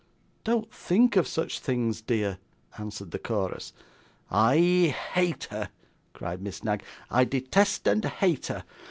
'Don't think of such things, dear,' answered the chorus. 'I hate her,' cried Miss Knag; 'I detest and hate her.